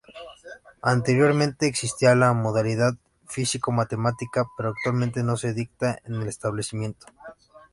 Anteriormente existía la modalidad "Físico-Matemática" pero actualmente no se dicta en el establecimiento.